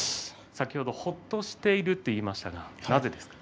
先ほど、ほっとしていると言いましたがなぜですか。